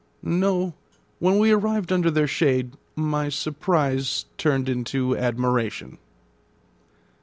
No; when we arrived under their shade my surprise turned into admiration.